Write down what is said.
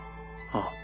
ああ。